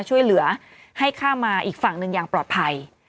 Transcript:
ช่วยเหลือให้ข้ามมาอีกฝั่งหนึ่งอย่างปลอดภัย